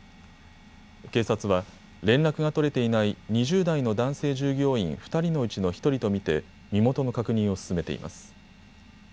警察は連絡が取れていない２０代の男性従業員２人のうちの１人と見て身元の確認を進めています。